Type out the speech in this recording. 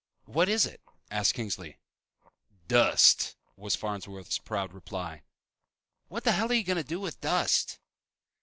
"What is it?" asked Kingsley. "Dust!" was Farnsworth's proud reply. "What the hell you going to do with dust?"